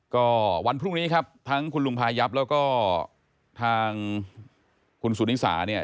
ก็วันพรุ่งนี้ครับทั้งคุณลุงพายับแล้วก็ทางคุณสุนิสาเนี่ย